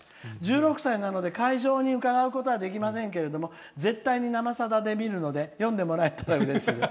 １６歳なので会場に伺うことはできませんが絶対に「生さだ」で見るので読んでくれたらうれしいです。